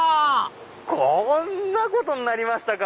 こんなことになりましたか！